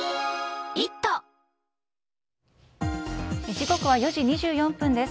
時刻は４時２４分です。